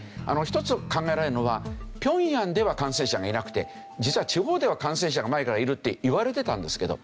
一つ考えられるのは平壌では感染者がいなくて実は地方では感染者が前からいるっていわれてたんですけど。